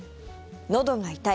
のどが痛い。